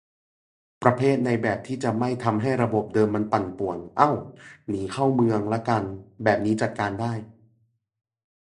ประเภทในแบบที่จะไม่ทำให้ระบบเดิมมันปั่นป่วน เอ้า หนีเข้าเมือง ละกัน แบบนี้จัดการได้